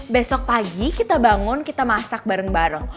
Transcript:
besok pagi kita bangun kita masak bareng bareng